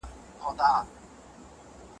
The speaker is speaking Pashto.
کله به نړیواله ټولنه بهرنیو چارو وزیر تایید کړي؟